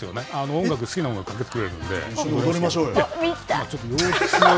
音楽、好きな音楽かけてくれるの踊りましょうよ。